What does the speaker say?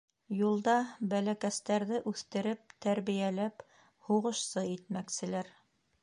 Юлда бәләкәстәрҙе үҫтереп, тәрбиәләп һуғышсы итмәкселәр.